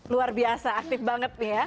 luar biasa aktif banget nih ya